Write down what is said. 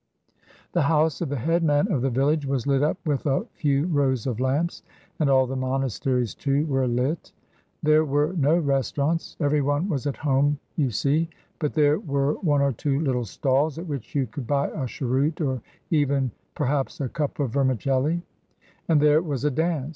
The house of the headman of the village was lit up with a few rows of lamps, and all the monasteries, too, were lit. There were no restaurants everyone was at home, you see but there were one or two little stalls, at which you could buy a cheroot, or even perhaps a cup of vermicelli; and there was a dance.